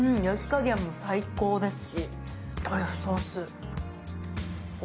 焼き加減も最高ですし。